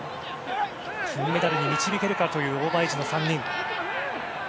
金メダルに導けるかというオーバーエージの３人。